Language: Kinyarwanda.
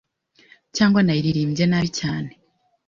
cyangwa nayiririmbye nabi cyane